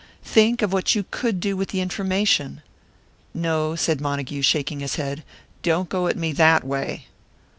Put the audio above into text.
Think of what you could do with the information!" "No," said Montague, shaking his head; "don't go at me that way."